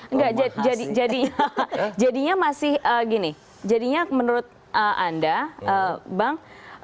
enggak jadinya masih gini jadinya menurut anda bang